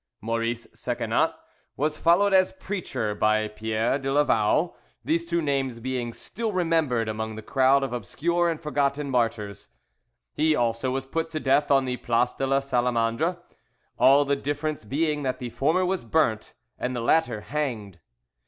Maurice Secenat was followed as preacher by Pierre de Lavau; these two names being still remembered among the crowd of obscure and forgotten martyrs. He also was put to death on the Place de la Salamandre, all the difference being that the former was burnt and the latter hanged.